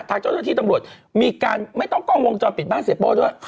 ทางเจ้าหน้าที่ตำรวจมีการไม่ต้องกล้องวงจรปิดบ้านเสียโป้ด้วย